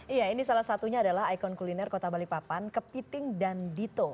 iya ini salah satunya adalah ikon kuliner kota balikpapan kepiting dan dito